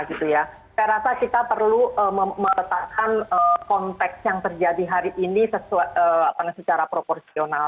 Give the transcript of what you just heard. saya rasa kita perlu meletakkan konteks yang terjadi hari ini secara proporsional